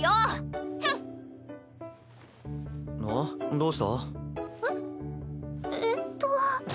どうした？えっ？えっと。